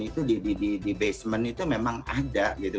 itu di basement itu memang ada gitu